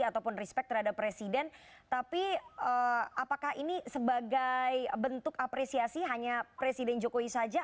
ataupun respect terhadap presiden tapi apakah ini sebagai bentuk apresiasi hanya presiden jokowi saja